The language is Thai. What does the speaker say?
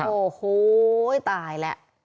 โอ้โหตายแล้ว